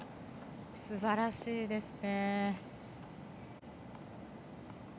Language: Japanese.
すばらしいですね。